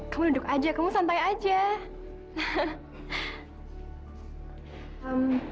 kamu duduk aja kamu santai aja